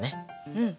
うん。